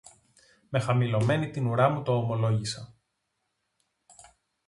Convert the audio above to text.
Με χαμηλωμένη την ουρά μου το ομολόγησα.